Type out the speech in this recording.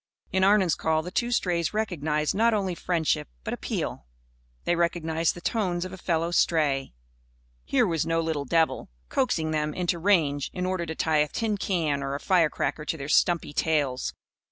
In Arnon's call the two strays recognised not only friendship, but appeal. They recognised the tones of a fellow stray. Here was no little devil, coaxing them into range in order to tie a tin can or a firecracker to their stumpy tails.